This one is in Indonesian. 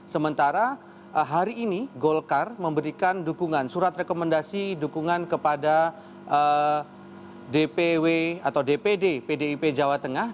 sementara hari ini golkar memberikan dukungan surat rekomendasi dukungan kepada dpw atau dpd pdip jawa tengah